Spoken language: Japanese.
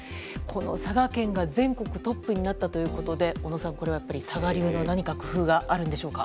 佐賀県が全国トップになったということで小野さん、これは佐賀流の工夫があるんでしょうか？